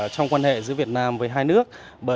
trong quan hệ giữa việt nam với hai nước